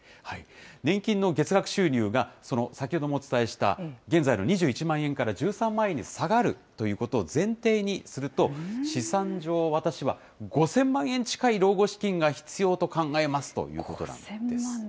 年金の月額収入が、その先ほどもお伝えした、現在の２１万円から１３万円に下がるということを前提にすると、試算上、私は５０００万円近い老後資金が必要と考えますということなんです。